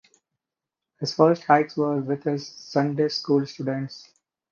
His first hikes were with his Sunday school students.